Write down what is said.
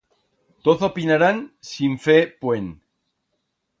Toz opinarán sin fer puent.